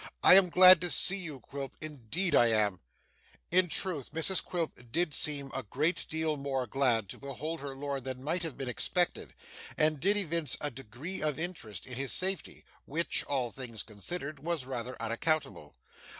I am glad to see you, Quilp; indeed I am.' In truth Mrs Quilp did seem a great deal more glad to behold her lord than might have been expected, and did evince a degree of interest in his safety which, all things considered, was rather unaccountable.